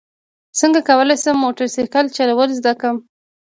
څنګه کولی شم موټر سایکل چلول زده کړم